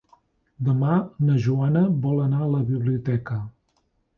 Demà na Joana vol anar a la biblioteca.